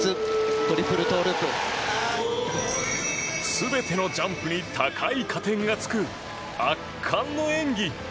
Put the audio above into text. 全てのジャンプに高い加点がつく圧巻の演技。